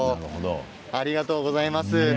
ありがとうございます。